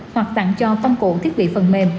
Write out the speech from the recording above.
hoặc tặng cho công cụ thiết bị phần mềm